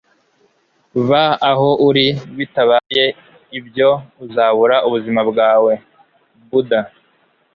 Ba aho uri; bitabaye ibyo, uzabura ubuzima bwawe. ”- Buda